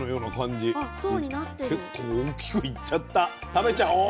食べちゃおう。